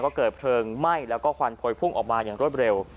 ก็เกิดเพลิงไหม้แล้วก็ควันพวยพุ่งออกมาอย่างรวดเร็ว